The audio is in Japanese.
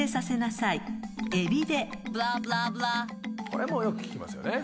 これもよく聞きますよね。